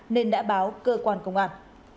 nên đã báo cơ quan công an